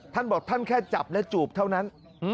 ท่านบอกท่านแค่จับและจูบเท่านั้น